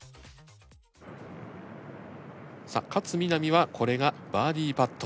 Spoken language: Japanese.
さあ勝みなみはこれがバーディパット。